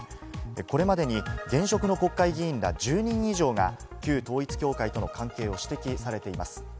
これまでに現職の国会議員ら１０人以上が旧統一教会との関係が指摘されています。